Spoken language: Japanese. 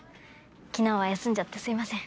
昨日は休んじゃってすいません。